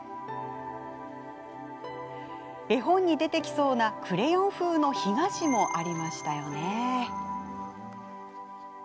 絵本に出てきそうなクレヨン風の干菓子もありましたよね。